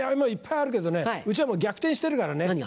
いっぱいあるけどねうちは逆転してるからね。